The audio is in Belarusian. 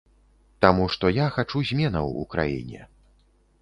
Таму што я хачу зменаў у краіне.